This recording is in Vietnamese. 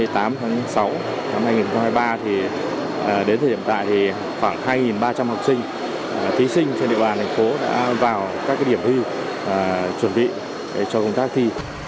tháng sáu năm hai nghìn hai mươi ba đến thời điểm tại khoảng hai ba trăm linh học sinh thí sinh trên địa bàn thành phố đã vào các điểm hư chuẩn bị cho công tác thi